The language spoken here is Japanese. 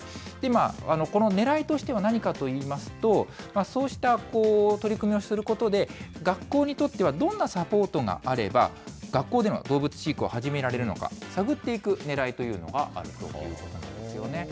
このねらいとしては何かといいますと、そうした取り組みをすることで、学校にとってはどんなサポートがあれば学校での動物飼育を始められるのか、探っていくねらいというのがあるということなんですよね。